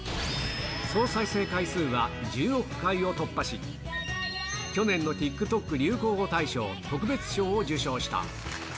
総再生回数は１０億回を突破し、去年のＴｉｋＴｏｋ流行語大賞特別賞を受賞した。